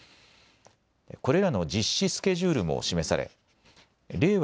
これらの実施スケジュールも示され令和